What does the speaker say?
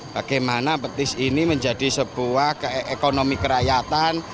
bagaimana petis ini menjadi sebuah ekonomi kerakyatan